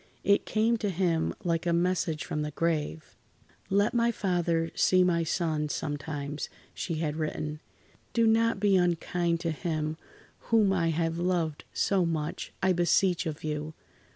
It came to him like a message from the grave: "Let my father see my son, sometimes," she had written. "Do not be unkind to him whom I have loved so much, I beseech of you.